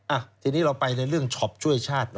อ่ะทีนี้เราไปในเรื่องช็อปช่วยชาติหน่อย